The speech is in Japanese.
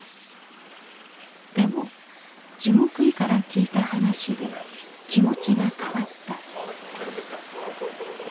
でも樹木医から聞いた話で気持ちが変わった。